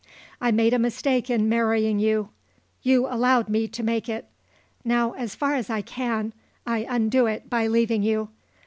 I made a mistake in marrying you; you allowed me to make it. Now, as far as I can, I undo it by leaving you.